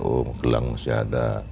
oh gelang saya ada